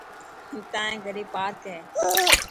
تائن گهري پارڪ هي.